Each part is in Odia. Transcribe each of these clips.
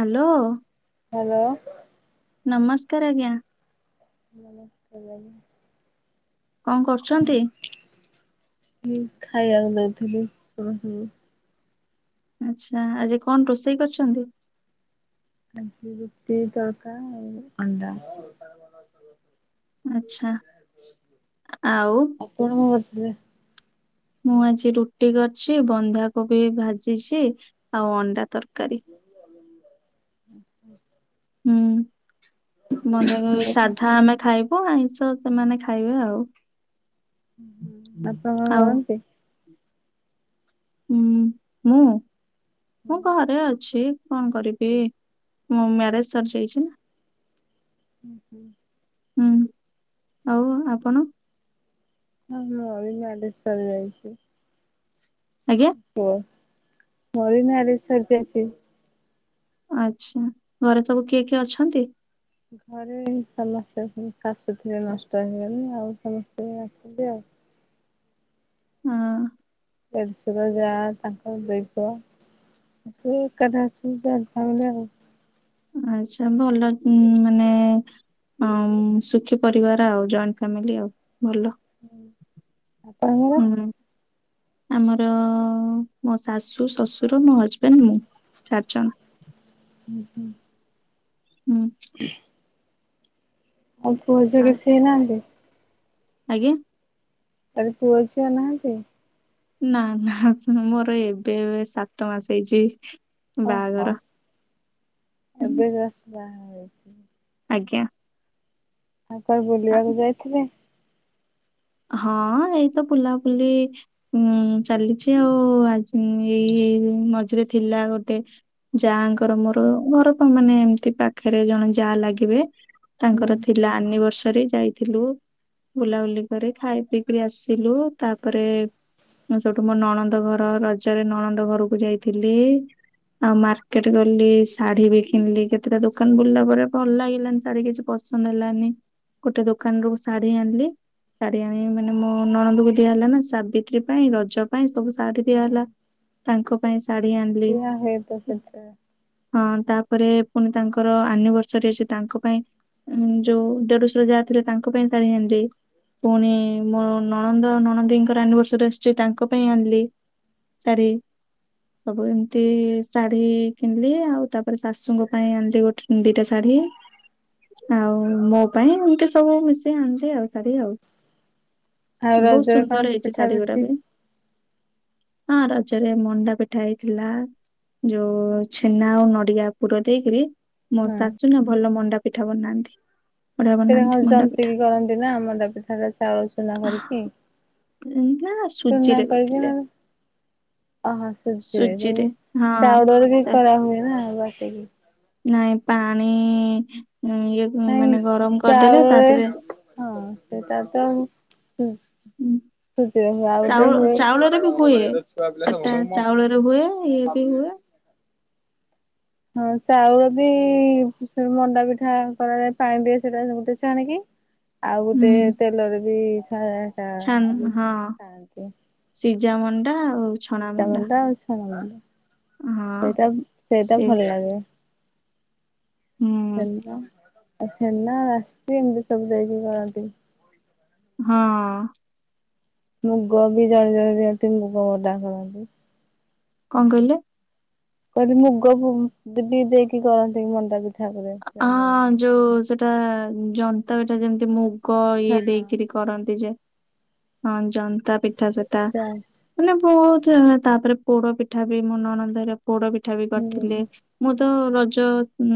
ହାଲୋ। ହାଲୋ। ନମସ୍କାର ଆଜ୍ଞା। ହାଲୋ। କଣ କରୁଚନ୍ତି? ହୁଁ ଖାଇବାକୁ ଦଉଥିଲି ଓ ହୋ। ଆଚ୍ଛା ଆଜି କଣ ରୋଷେଇ କରିଚନ୍ତି? ଆଜି ରୁଟି ତଡକା ଆଉ ଅଣ୍ଡା। ଆଛା ଆଉ। ଆପଣ କଣ କରୁଥିଲେ? ମୁଁ ଆଜି ରୁଟି କରିଚି ବନ୍ଧାକୋବି ଭାଜିଚି ଆଉ ଅଣ୍ଡା ତରକାରୀ। ହଁ ହଁ। ହୁଁ ବନ୍ଧାକୋବି ସାଧା ଆମେ ଖାଇ ହଉ ଆଇଁଷ ସେମାନେ ଖାଇବେ ଆଉ। ଆପଣ କଣ ଆଉ କରନ୍ତି? ହୁଁ ମୁଁ ମୁଁ ହଁ ଘରେ ଅଛି। କଣ କରିବି? ଏ ମୋ ମ୍ୟାରେଜ୍ ସରିଯାଇଛି ନା। ହୁଁ ହୁଁ। ହୁଁ ଆଉ ଆପଣ? ହୁଁ ମୁଁ ବି ଜାଡେସ୍ୱର ଯାଇଛି। ଆଜ୍ଞା ଓଅ ମୋର ବି ମ୍ୟାରେଜ୍ ସରି ଯାଇଚି। ଆଚ୍ଛା ଘରେ ସବୁ କିଏ କିଏ ଅଛନ୍ତି? ଘରେ ସମସ୍ତେ ଅଛନ୍ତି। ଶାଶୁ ଥିଲେ ନଷ୍ଟ ହେଇଗଲେଣି ଆଉ ସମସ୍ତେ ଅଛନ୍ତି ଆଉ। ହଁ। ଦେଶର ଯା ତାଙ୍କ ଦୈବ। ସେ ଏକାଠା ଅଛନ୍ତି ଚାରି ପାଞ୍ଚ ଜଣ। ଆଛା ଭଲ ମାନେ ହଁ ଉମ୍ ସୁଖୀ ପରିବାର ଆଉ ଜଏଣ୍ଟ ଫ୍ୟାମିଲି ଆଉ ଭଲ। ଆପଣଙ୍କର? ହୁଁ। ଆମର ମୋ ଶାଶୁ, ଶଶୁର, ମୋ ହଜବେଣ୍ଡ ମୁଁ। ଚାର ଜଣ। ହୁଁ ହୁଁ। ହୁଁ। ଆଉ ପୁଅ ଝିଅ ଆଉ କିଛି ହେଇ ନାହାନ୍ତି? ଆଜ୍ଞା। ଆରେ ପୁଅ ଝିଅ ଆଉ ନାହାନ୍ତି। ନା ନା ମୋର ଏବେ ଏବେ ସାତ ମାସ ହେଇଚି। ଓହୋ ହୁଁ, ଏବେ ଜଷ୍ଟ୍ ବାହା ହେଇଛି। ଆଜ୍ଞା। ଆଉ କୁଆଡେ ଆ, ବୁଲିବାକୁ ଯାଇଥିଲେ? ହଁ ଏଇତ ବୁଲାବୁଲି। ଉଁ ଚାଲିଛି ଆଉ ଆଜି ଏଇ ଏବେ ମଝିରେ ଥିଲା ଗୋଟେ ଯାଆଙ୍କର ମୋର ମୋର ତ ମାନେ ଏମତି ପାଖେରେ ଜଣେ ଯାଆ ଲାଗିବେ ହୁଁ ତାଙ୍କର ଥିଲା ଆନିଭର୍ସରୀ ଯାଇଥିଲୁ। ବୁଲାବୁଲି ପରେ ଖାଇ ପିଇକିରି ଆସିଲୁ। ତାପରେ ମୁଁ ସେଇଠୁ ମୋ ନଣନ୍ଦ ଘର ରଜରେ ନଣନ୍ଦ ଘରକୁ ଯାଇଥିଲି। ଆଉ ମାର୍କେଟ ଗଲି ଶାଢୀ ବି କିଣିଲି କେତେଟା ଦୋକାନ ବୁଲିଲା ପରେ ଭଲ ଲାଗିଲାନି ଶାଢୀ କିଛି। ପସନ୍ଦ ହେଲାନି। ଗୋଟେ ଦୋକାନରୁୁ ମୁଁ ଶାଢୀ ଆଣିଲି। ଶାଢ଼ୀ ଆଣିବ ମାନେ ମୋ ନଣନ୍ଦକୁ ଦିଆ ହେଲା ନା ସାବିତ୍ରୀ ପାଇଁ ରଜ ପାଇଁ ସବୁ ଶାଢୀ ହୁଁ ଦିଆ ହେଲା। ତାଙ୍କ ପାଇଁ ଶାଢୀ ଆଣିଲି। ସେଇଆ ହୁଏ ତ ସେଥିରେ ହଁ ତାପରେ ପୁଣି ତାଙ୍କର ଆନିଭର୍ସରୀ ଅଛି ତାଙ୍କ ପାଇଁ ଉଁ ଯୋଉ ଦେରଶୁର ଯାଆ ଥିଲେ ତାଙ୍କ ପାଇଁ ଶାଢୀ ଆନଦିଏ। ପୁଣି ମୋର ନଣନ୍ଦ ନଣନ୍ଦେଇଙ୍କର ଆନିଭର୍ସରୀ ଆସୁଚି ତାଙ୍କ ପାଇଁ ଆଣଲି। ଶାଢ଼ୀ। ସବୁ ଏମତି ଶାଢୀ କିଣଲି। ଆଉ ତାପରେ ଶାଶୁଙ୍କ ପାଇଁ ଆଣିଲି ଗୋଟେ। ଦିଟା ଶାଢ଼ୀ ଆଉ ମୋ ପାଇଁ ଏମିତି ସବୁ ମିଶେଇ ଆଣିଲି ଆଉ। ଶାଢୀ ଆଉ ଆଉ ବହୁତ୍ ରଜରେ କଣ ସୁନ୍ଦର ହେଇଚି ପିଠା ଶାଢୀ ଗୁଡା ପିଠି ବି। ହଁ ରଜରେ ମଣ୍ଡା ପିଠା ହେଇଥିଲା। ଯୋଉ ଛେନା ଆଉ ନଡିଆ ପୁର ଦେଇକରି ମୋ ହୁଁ ଚାଚୁ ନା ଭଲ ମଣ୍ଡା ପିଠା ବନାନ୍ତି। ବଢିଆ ସେଇଟା ବନାନ୍ତି କଣ ମଣ୍ଡା ଯନ୍ତି ପିଠା। କିି କରନ୍ତି ନା ମଣ୍ଡା ପିଠା ଟା ଚାଉଳ ସୁନା କରଚି ନା ସୁନା ସୁଜିରେ କରିକ କରିଥିଲେ ନା ଓହୋ ସୁଝିବ ଯଉ ସୁଜିରେ ହଁ। ଚାଉଡରେ ବି ତା କରା ହୁଏ ନା ବାଟିକି ନାଇଁ ପାଣି ୟେ ନାଇଁ ଚାଉଳରେ ହଁ ସେଟା ତ ହୁଁ। ଖୁସିରେ ହୁଏ ଆଉ ଗୋଟେ ଚାଉଳ ହୁଏ ଚାଉଳରେ ବି ହୁଏ ସେଟା ଚାଉଳରେ ହୁଏ ଇଏ ବି ହୁଏ। ହଁ ଚାଉଳ ବି ସେ ମଣ୍ଡା ପିଠା କରାଯାଏ ପାଣି ଦିଏ ସେଟାରେ ସବୁ ଛାଣ କି। ଆଉ ହୁଁ ଗୋଟେ ତେଲରେ ବି ଛା କା ଖାଆନ୍ତି। ସିଜାମଣ୍ଡା ଆଉ ସିଝା ମଣ୍ଡା ଆଉ ଛାଣୁ ହଁ ନାହାନ୍ତି। ସେଇଟା ସେଇଟା ସେ ଭଲ ଲାଗେ। ହୁଁ ଛେନା ଆଉ ଛେନା ରାସିି ଏମିତି ସବୁ ଦେଇକି କରନ୍ତି। ହଁ। ମୁଗ ବି ଜଣେ ଜଣେ ଦିଅନ୍ତି ମୁଗ ବଡା କରନ୍ତି। କଣ କହିଲେ? କହିଲି ମୁଗ ବି ଦେଇକି କରନ୍ତି ମଣ୍ଡା ପିଠା ଉପରେ ଜଣେ ଜଣେ। ହଁ ଯୋଉ ସେଇଟା ଜନ୍ତା ଏଟା ଯେମିତି ମୁଗ ଇଏ ଦେଇକିରି ହଁ କରନ୍ତି ଯେ, ହଁ ଜନ୍ତା ପିଠା ସେଟା। ମାନେ ବହୁତ ଜ ତାପରେ ପୋଡ ପିଠା ବି ନଣନ୍ଦରେ ପୋଡ ପିଠା ବି ହୁଁ କରିଥିଲେ। ମୁଁ ତ ରଜ ଉ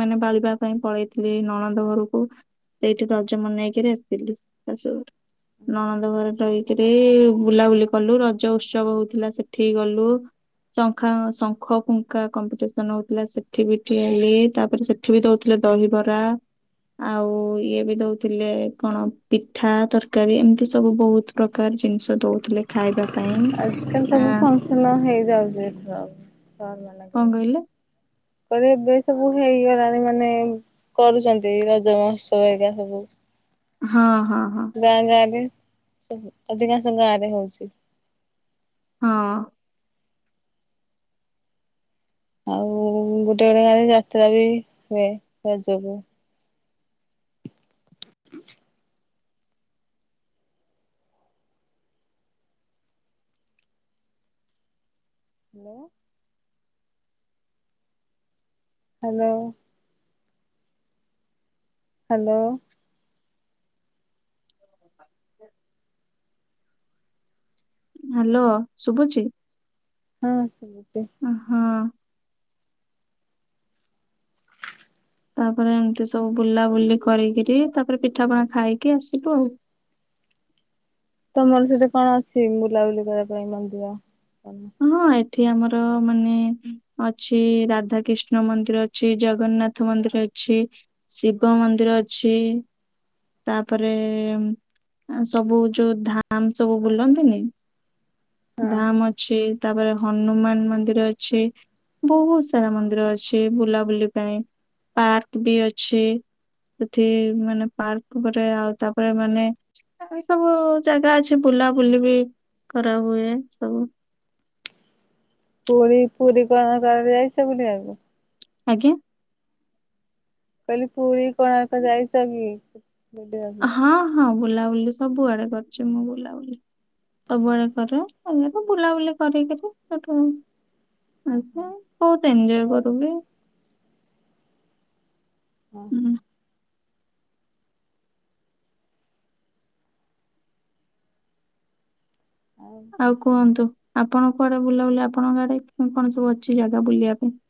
ମାନେ ପାଳିବା ପାଇଁ ପଳେଇଥିଲି ନଣନ୍ଦ ଘରକୁ। ସେଇଠି ରଜ ମନେଇକିରି ଆସିଥିଲି ତା ସ ନଣନ୍ଦ ଘରେ ରହି ସେଥିରେ ବୁଲାବୁଲି କଲୁ ରଜ ଉତ୍ସବ ହଉଥିଲା ସେଠିକି ଗଲୁ। ଶଙ୍ଖା ଶଙ୍ଖ ଫୁଙ୍କା କମ୍ପିଟିସନ ହଉଥିଲା ସେଠି ବି ଟିକେ ଲି। ତାପରେ ସେଠି ବି ଦଉଥିଲେ ଦହିବରା। ଆଉ ଇଏ ବି ଦଉଥିଲେ କଣ ପିଠା ତରକାରୀ ଏମିତି ସବୁ ବହୁତ। ପ୍ରକାର ଜିନିଷ ଦଉଥିଲେ ଖାଇବା ପାଇଁ ଆ ହେଲ ହେଇଯାଉଚି ଏଥର ସାର୍ କଣ ମନାକଲେ। କହିଲେ କହିଲେ ଏବେ ସବୁ ହେଇଗଲାଣି ମାନେ କରୁଚନ୍ତି ରଜ ମହୋତ୍ସବ ଏଇରା ସବୁ। ହଁ ହଁ ହଁ। ଗାଁ ଗାଁ ରେ ସବୁ ଅଧିକାଂଶ ଗାଁ ରେ ହଉଚି। ହଁ। ଆଉ ଗୋଟେ ଗୋଟେ ଗାଁରେ ଯାତ୍ରା ବି ହୁଏ ରଜକୁ। ହାଲୋ। ହାଲୋ। ହାଲୋ। [inaudible] ହାଲୋ ଶୁଭୁଚି। ହଁ ଶୁଭୁଚି। ହଁ। ତାପରେ ଏମିତି ସବୁ ବୁଲାବୁଲି କରିକିରି ତାପରେ ପିଠାପଣା ଖାଇକି ଆସିଲୁ ଆଉ। ତମର ସେଠି କଣ ଅଛି ବୁଲାବୁଲି କରିବା ପାଇଁ ମନ୍ଦିର କଣ? ହଁ ଏଠି ଆମର ମାନେ ଅଛି ରାଧା କ୍ରିଷ୍ଣ ମନ୍ଦିର ଅଛି ଜଗନ୍ନାଥ ମନ୍ଦିର ଅଛି। ଶିବ ମନ୍ଦିର ଅଛି। ତାପରେ ସବୁ ଯୋଉ ଧାମ ସବୁ ବୁଲନ୍ତିନି ହଁ ଧାମ ଅଛି ତାପରେ ହନୁମାନ ମନ୍ଦିର ଅଛି। ବହୁତ ସାରା ମନ୍ଦିର ଅଛି ବୁଲାବୁଲି ପାଇଁ ପାର୍କ ବି ଅଛି। ସେଠି ମାନେ ପାର୍କ ପରେ ଆଉ ତାପରେ ମାନେ ଏ ସବୁ ଜାଗା ଅଛି ବୁଲାବୁଲି ବି କରା ହୁଏ ସବୁ। ପୁରୀ ପୁରୀ କୋଣାର୍କ ଆଡେ ଯାଇଛ ବୁଲିବାକୁ? ଆଜ୍ଞା କହିଲି ପୁରୀ କୋଣାର୍କ ଯାଇଛ କି ବୁଲିବାକୁ? ହଁ ହଁ ବୁଲାବୁଲି ସବୁଆଡେ କରିୁଛି ମୁଁ ବୁଲାବୁଲି ସବୁବେଳେ କରେ ଏମିତି ବୁଲାବୁଲି କରିକିରି ଆଜ୍ଞା ବହୁତ ଏନଜୟ ହଁ କରୁବି ହୁଁ [inaudible] [inaudible] ଆଉ କୁହନ୍ତୁ ଆପଣ କୁଆଡେ ବୁଲାବୁଲି ଆପଣଙ୍କ ଆଡେ କଣ ସବୁ ଅଛି ଜାଗା ବୁଲିବା ପାଇଁ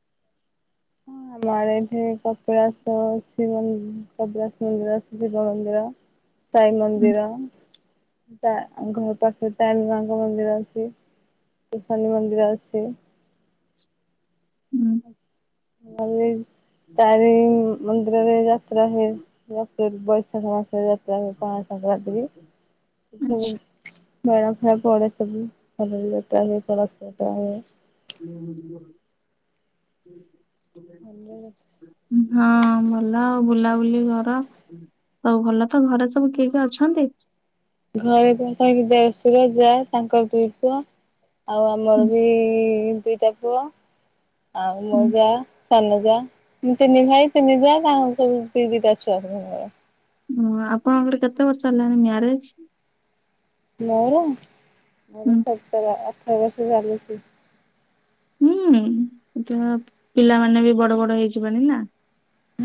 ହଁ ଆମର ଏଠି କପିଳାସ ଅ କପିଳାସ ମନ୍ଦିର ଅ ଶିବ ମନ୍ଦିର ସାଇ ହୁଁ ମନ୍ଦିର ତା ଘର ପାଖରେ ତାରିଣୀ ମାଙ୍କ ମନ୍ଦିର ଅଛି ଶନି ମନ୍ଦିର ଅଛି ହୁଁ ଭଲେ ତାରିଣୀ ମନ୍ଦିରରେ ଯାତ୍ରା ହୁଏ ସେ ବୈଶାଖ ମାସରେ ଯାତ୍ରା ହୁଏ ପଣା ସଂକ୍ରାନ୍ତିରେ ଆଚ୍ଛା ମେଳା ଫେଳା ପଡେ ସବୁ ଘର ଲୋପା ପୋଛା ହୁଏ ପୂଜା ହୁଏ [inaudible] [unintelligible] ହଁ ଭଲ ଆଉ ବୁଲାବୁଲି କର ସବୁ ଭଲ ତ ଘରେ ସବୁ କିଏ କିଏ ଅଛନ୍ତି? ଘରେ ତ ଦେଢସୁର ଯା ତାଙ୍କର ଦୁଇ ପୁଅ ଆଉ ଆମର ହୁଁ ବି ଦୁଇଟା ପୁଅ ଆଉ ମୋ ହୁଁ ଯା ସାନ ଯାଆ ତିନି ଭାଇ ତିନି ଯାଆ ତାଙ୍କ ସବୁ ଦି ଦିଟା ଛୁଆର ହଁ ଆପଣଙ୍କର କେତେ ବର୍ଷ ହେଲାଣି ମ୍ୟାରେଜ ମୋର ମୋର ହୁଁ ସତର ଅଠର ବର୍ଷ ଚାଲିଛି ହୁଁ ଏ ପିଲାମାନେେ ବି ବଡ ବଡ ହେଇଯିବନି ନା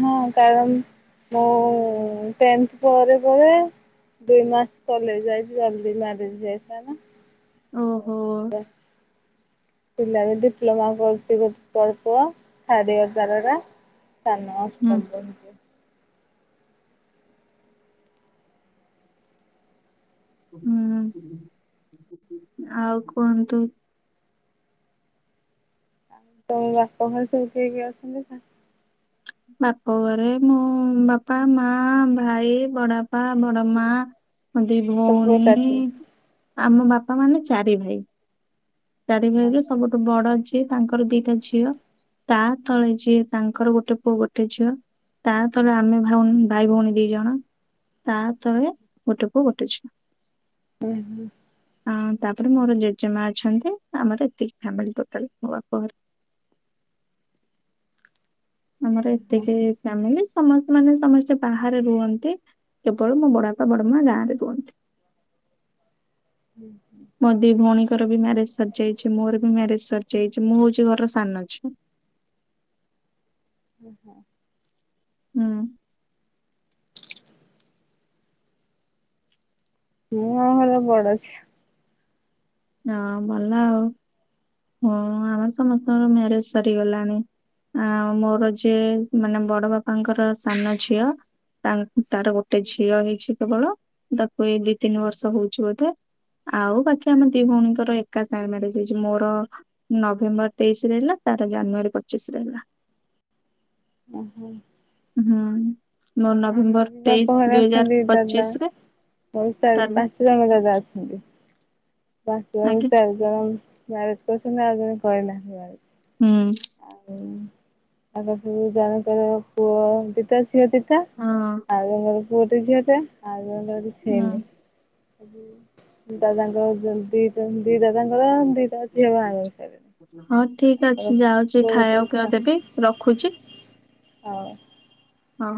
ହଁ କାରଣ ମୁଁ ଟେନ୍ଥ ପରେ ପରେ ଦୁଇ ମାସ କଲେଜ ଯାଇଛି ଜଲଦି ମ୍ୟାରେଜ୍ ହେଇ ଓହୋ। ଯାଇଥିଲା ନା ପିଲା ବି ଡିପ୍ଲୋମା କରୁଛି ଗୋଟେ ବଡ ପୁଅ ଥାର୍ଡ ଇୟର ତା ଏଇଟା ସାନ ହୁଁ ଅଷ୍ଟମ ପଢୁଛି ହୁଁ ଆଉ କୁହନ୍ତୁ ଆଉ ତମ ବାପଘରେ ସବୁ କିଏ କିଏ ଅଛନ୍ତି ନା ବାପ ଘରେ ମୁଁ ବାପା ମା ଭାଇ ବଡବାପା ବଡ ମା ଦି ସବୁ ଭଉଣୀ ଏକାଠି? ଆମ ବାପା ମାନେ ଚାରି ଭାଇ ଚାରି ଓହୋ ଭାଇରେ ସବୁଠୁ ବଡ ଯିଏ ତାଙ୍କର ଦିଟା ଝିଅ ତା ତଳେ ଯିଏ ତାଙ୍କର ଗୋଟେ ପୁଅ ଗୋଟେ ଝିଅ ତା ତଳେ ଆମେ ଭଉଣୀ ଭାଇ ଭଉଣୀ ଦି ଜଣ ତା ତଳେ ଗୋଟେ ପୁଅ ଗୋଟେ ଝିଅ ହୁଁ ହୁଁ ଆ ତାପରେ ମୋର ଜେଜେମା ଅଛନ୍ତି ଆମର ଏତିକି ଫ୍ୟାମିଲି ଟୋଟାଲ ମୋ ବାପ ଘରେ ଆମର ଓହୋ ଏତିକି ଫ୍ୟାମିଲି ସମସ୍ତେ ମାନେ ସମସ୍ତେ ବାହାରେ ରୁହନ୍ତି କେବଳ ମୋ ବଡ ବାପା ବଡ ମା ଗାଁ ରେ ରୁହନ୍ତି ହୁଁ ହୁଁ ମୋ ଦି ଭଉଣୀଙ୍କର ବି ମ୍ୟାରେଜ ସରିଯାଇଛି ମୋର ବି ମ୍ୟାରେଜ ସରିାଇଛି ମୁଁ ହଉଛି ଘର ସାନ ଝୁଓ [inaudible] ହୁଁ ମୁଁ ଆମ ଘରେ ବଡ ଅଛି ହଁ ଭଲ ଆଉ ହଁ ଆମର ସମସ୍ତଙ୍କର ମ୍ୟାରେଜ ସରିଗଲାଣି ଆ ମୋର ଯିଏ ମାନେ ବଡ ବାପାଙ୍କର ସାନ ଝିଅ ତା ତାର ଗୋଟେ ଝିଅ ହେଇଛି କେବଳ। ତାକୁ ଏଇ ଦି ତିନି ବର୍ଷ ହଉଛି ବୋଧେ ଆଉ ବାକି ଆମ ଦି ଭଉଣୀଙ୍କର ଏ ତା [unintelligible] ହୋଇଛି ମୋର। ନଭେମ୍ବର ତେଇଶିରେ ହେଲା ତାର ଜାନୁଆରୀ ପଚିଶି ରେ ହେଲା। ଓ ହୁଁ। ହୁଁ। ମୁଁ ନଭେମ୍ବର ବି ବାପ ତେଇଶି ଘରେ ଦୁଇ ହଜାର ଅଛନ୍ତି ପଚିଶ ରେ ତାରି ଙ୍ଗ ଦାଦା ଆସିଛନ୍ତି। ଥ ଆଜ୍ଞା [unintelligible] ହୁଁ। ହୁଁ ତାଙ୍କର ସବୁ ଯାହାଙ୍କର ପୁଅ ଦିଟା ଝିଅ ଦିଟା ହଁ। ଆଉ ମୋର ପୁଅଟେ ଝିଅଟେ ଆଉ ମୋର କିଛି ହୁଁ ହେଇନି। ଏଇ ଯୋଉ ଦାଦାଙ୍କ ଦି ଦି ଦାଦାଙ୍କର ଦିଟା ଝିଅ ବାହା ହେଇସାଇଲେଣି। ହଁ ଠିକ ଅଛି ଯାଉଛି ଖାଇବା ଗୋଟେ ପିଇବା ଦେବି ରଖୁଛି। ହଉ। ହଁ।